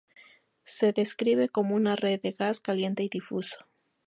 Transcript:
Se describe como una red de gas caliente y difuso.